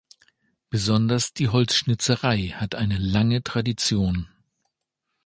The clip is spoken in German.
Besonders die Holzschnitzerei hat eine lange Tradition.